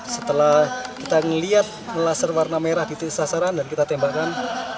setelah kita melihat melaser warna merah di titik sasaran dan kita tembakan